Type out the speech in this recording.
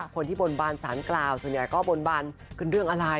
คนที่บนบานสารกล่าวส่วนใหญ่ก็บนบานกันเรื่องอะไร